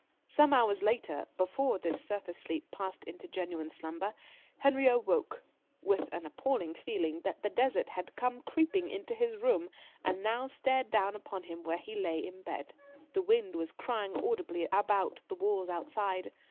Some hours later, before this surface sleep passed into genuine slumber, Henriot woke with an appalling feeling that the Desert had come creeping into his room and now stared down upon him where he lay in bed. The wind was crying audibly about the walls outside.